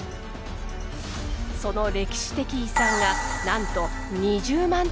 その歴史的遺産がなんと２０万点も並びます。